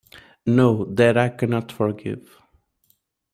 No, that I cannot forgive.